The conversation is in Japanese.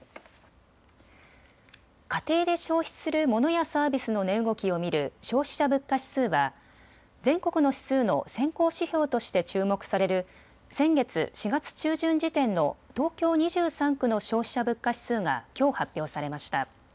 家庭で消費するモノやサービスの値動きを見る消費者物価指数は全国の指数の先行指標として注目される先月４月中旬時点の東京２３区の消費者物価指数がきょう発表されました。